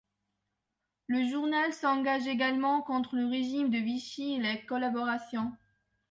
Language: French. Le journal s'engage également contre le régime de Vichy et la collaboration.